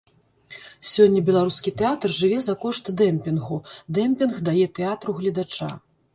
Сёння беларускі тэатр жыве за кошт дэмпінгу, дэмпінг дае тэатру гледача.